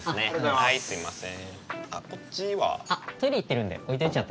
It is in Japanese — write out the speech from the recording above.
はいすいません。